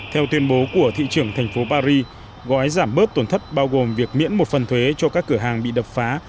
theo tuyên bố của thị trưởng thành phố paris gói giảm bớt tổn thất bao gồm việc miễn một phần thuế cho các cửa hàng bị đập phá